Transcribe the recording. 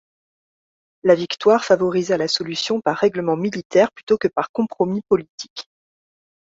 La victoire favorisa la solution par règlement militaire plutôt que par compromis politique.